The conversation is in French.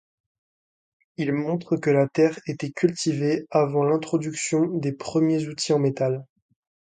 Ils montrent que la terre était cultivée avant l'introduction des premiers outils en métal.